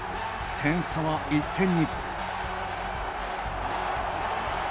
点差は１点に。